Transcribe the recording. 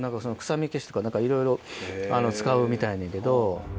臭み消しとかいろいろ使うみたいねんけど。